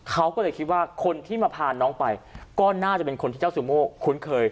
เขาก็เลยคิดว่าคนที่มาพาน้องไปก็น่าจะเป็นคนที่เจ้าซูโม่คุ้นเคย